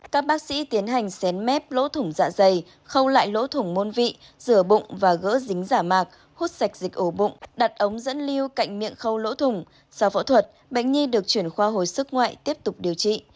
các bác sĩ tiến hành xén mép lỗ thủng dạ dày khâu lại lỗ thủng môn vị rửa bụng và gỡ dính giả mạc hút sạch dịch ổ bụng đặt ống dẫn lưu cạnh miệng khâu lỗ thủng sau phẫu thuật bệnh nhi được chuyển khoa hồi sức ngoại tiếp tục điều trị